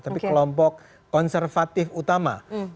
tapi kelompok konservatif utama